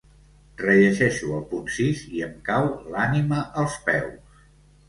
Rellegeixo el punt sis i em cau l'ànima als peus.